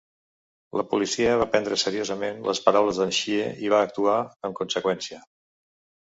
La policia va prendre's seriosament les paraules de Xie i va actuar en conseqüència.